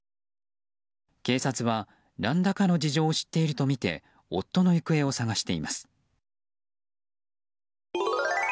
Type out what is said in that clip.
警察は何らかの事情を知っているとみて夫の行方を捜しています。